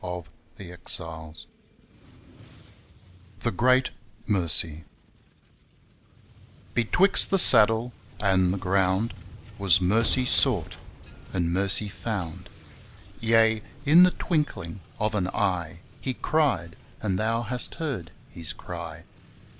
THE GREAT MERCY 5I THE GREAT MERCY Betwixt the saddle and the ground Was mercy sought and mercy found. Yea, in the twinkling of an eye, He cried ; and Thou hast heard his cry.